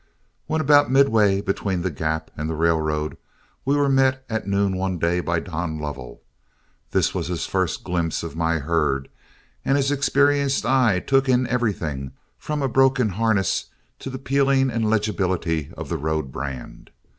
When about midway between the Gap and the railroad we were met at noon one day by Don Lovell. This was his first glimpse of my herd, and his experienced eye took in everything from a broken harness to the peeling and legibility of the road brand.